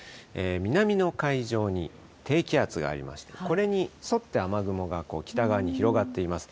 南の海上に低気圧がありまして、これに沿って雨雲が北側に広がっています。